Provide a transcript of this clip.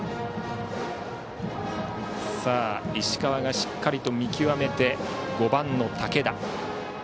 さあ、石川がしっかりと見極めて５番の武田。